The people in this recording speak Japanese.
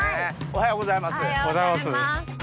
おはようございます。